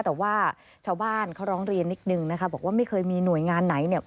แต่ว่าชาวบ้านเขาร้องเรียนนิดนึงนะคะบอกว่าไม่เคยมีหน่วยงานไหนเนี่ย